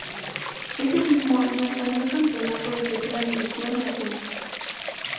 Ese mismo año ganó el campeonato de Tercera División de Ascenso.